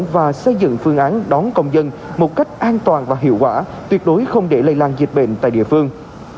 và xây dựng phương án đón công dân một cách an toàn và hiệu quả tuyệt đối không để lây lan dịch bệnh tại địa phương